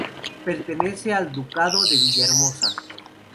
Pertenece al Ducado de Villahermosa.